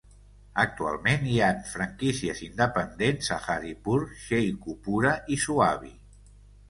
Actualment hi han franquícies independents a Haripur, Sheikhupura i Swabi.